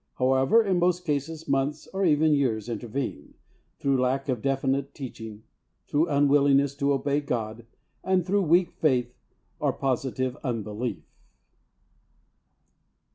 However, in most cases months and even years intervene, through lack of definite teaching, through unwillingness to obey God, and through weak faith, or positive un belief.